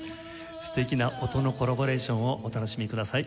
素敵な音のコラボレーションをお楽しみください。